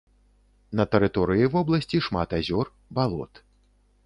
На тэрыторыі вобласці шмат азёр, балот.